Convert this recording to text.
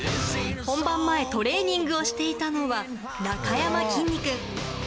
本番前トレーニングをしていたのはなかやまきんに君。